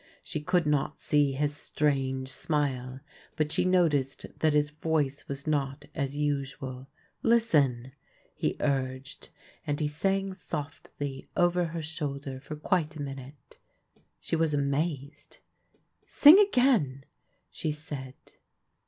She could not see his strange smile ; but she noticed that his voice was not as usual. " Listen," he urged, and he sang softly over her shoulder for quite a minute. She was amazed. " Sing again," she said.